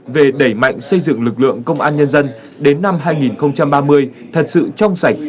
về đẩy mạnh xây dựng lực lượng công an nhân dân đến năm hai nghìn ba mươi thật sự trong sạch